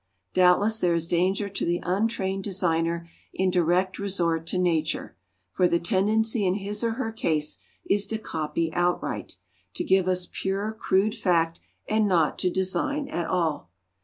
Doubtless there is danger to the untrained designer in direct resort to Nature. For the tendency in his or her case is to copy outright, to give us pure crude fact and not to design at all.